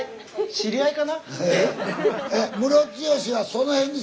知り合いかな？